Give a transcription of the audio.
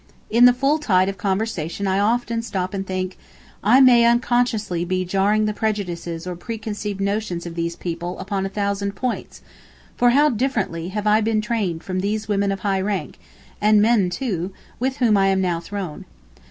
In the full tide of conversation I often stop and think, "I may unconsciously be jarring the prejudices or preconceived notions of these people upon a thousand points; for how differently have I been trained from these women of high rank, and men, too, with whom I am now thrown."